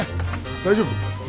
大丈夫？